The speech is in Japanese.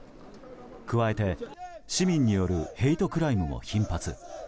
加えて、市民によるヘイトクライムも頻発。